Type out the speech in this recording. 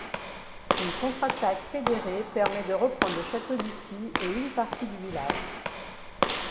Une contre-attaque fédérée permet de reprendre le château d'Issy et une partie du village.